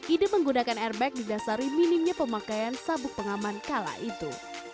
ide menggunakan airbag didasari minimnya pemakaian sabuk pengaman kala itu